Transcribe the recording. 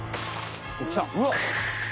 うわっ！